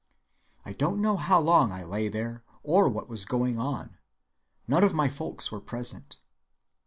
I don't know how long I lay there or what was going on. None of my folks were present.